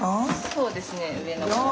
そうですね上の子は。